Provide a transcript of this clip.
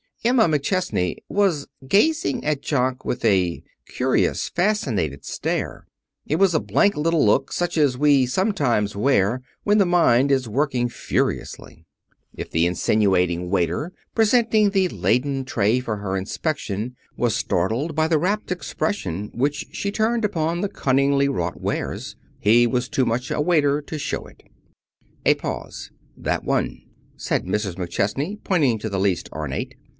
Emma McChesney was gazing at Jock with a curious, fascinated stare. It was a blank little look, such as we sometimes wear when the mind is working furiously. If the insinuating waiter, presenting the laden tray for her inspection, was startled by the rapt expression which she turned upon the cunningly wrought wares, he was too much a waiter to show it. A pause. "That one," said Mrs. McChesney, pointing to the least ornate.